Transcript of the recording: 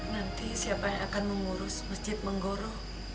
nanti siapa yang akan mengurus masjid menggoro